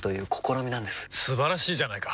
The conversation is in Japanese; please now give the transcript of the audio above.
素晴らしいじゃないか！